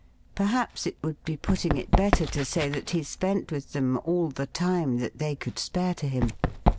Perhaps it would be putting it better to say that he spent with them all the time that they could spare to him.